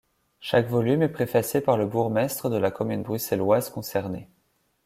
Chaque volume est préfacé par le bourgmestre de la commune bruxelloise concernée.